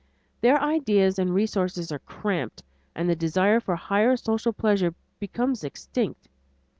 Their ideas and resources are cramped, and the desire for higher social pleasure becomes extinct.